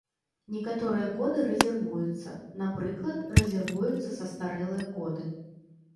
Некаторыя коды рэзервуюцца, напрыклад, рэзервуюцца састарэлыя коды.